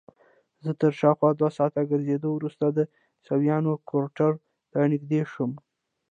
زه تر شاوخوا دوه ساعته ګرځېدو وروسته د عیسویانو کوارټر ته نږدې شوم.